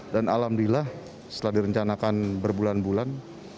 dan alhamdulillah setelah direncanakan berbulan bulan